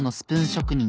職人